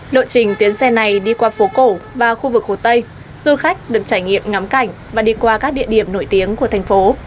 lộ trình tuyến xe này đi qua phố cổ và khu vực hồ tây du khách được trải nghiệm ngắm cảnh và đi qua các địa điểm nổi tiếng của thành phố